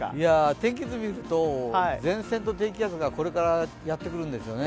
天気図を見ると、前線と低気圧がこれからやってくるんですよね。